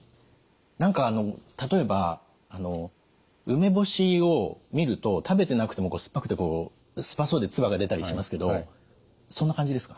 何かあの例えば梅干しを見ると食べてなくてもこう酸っぱそうで唾が出たりしますけどそんな感じですか？